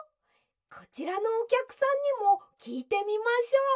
こちらのおきゃくさんにもきいてみましょう。